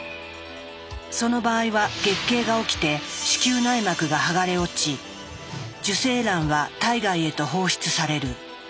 その場合は月経が起きて子宮内膜が剥がれ落ち受精卵は体外へと放出される。